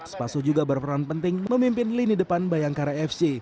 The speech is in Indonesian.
spaso juga berperan penting memimpin lini depan bayangkara fc